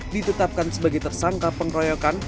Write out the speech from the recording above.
ditetapkan sebagai tersangka pengeroyokan